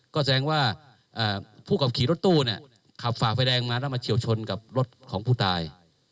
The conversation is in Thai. ก็แสดงว่าผู้ขับขี่รถตู้ขับฝ่าไฟแดงมาแล้วมาเฉียวชนกับรถของผู้ตาย